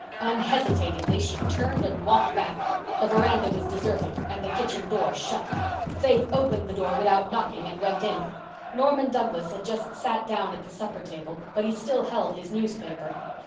Unhesitatingly she turned and walked back. The veranda was deserted and the kitchen door shut. Faith opened the door without knocking, and went in. Norman Douglas had just sat down at the supper table, but he still held his newspaper.